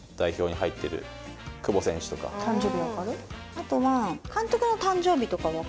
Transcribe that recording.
あとは。